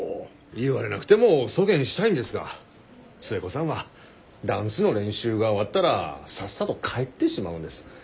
言われなくてもそげんしたいんですが寿恵子さんはダンスの練習が終わったらさっさと帰ってしまうんです。